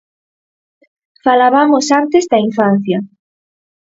Falabamos antes da infancia.